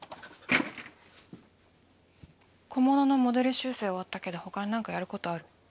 小物のモデル修正終わったけど他に何かやることある？